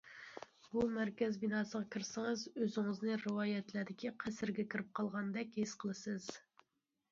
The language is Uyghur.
بۇ مەركەز بىناسىغا كىرسىڭىز، ئۆزىڭىزنى رىۋايەتلەردىكى قەسىرگە كىرىپ قالغاندەك ھېس قىلىسىز.